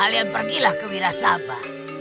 kalian pergilah ke wirasaba